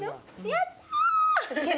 やったあ！